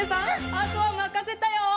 あとはまかせたよ！